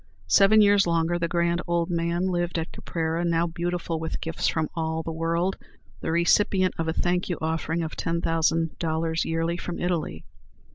Seven years longer the grand old man lived at Caprera, now beautified with gifts from all the world, the recipient of a thank offering of $10,000 yearly from Italy.